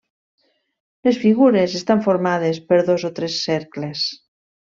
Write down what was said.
Les figures estan formades per dos o tres cercles.